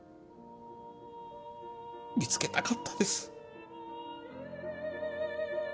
見つけたかったです。